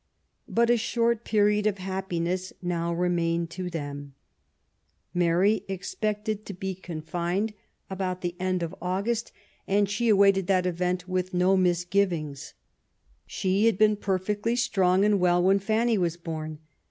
But a short period of happiness now remained to them. Mary expected to be confined about the 200 MAEY W0LL8T0NECEAFT GODWIN. end of August^ and she awaited that event with no misgivings. She had been perfectly strong and well when Fanny was born.